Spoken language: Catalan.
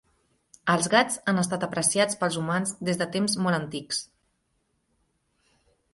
Els gats han estat apreciats pels humans des de temps molts antics.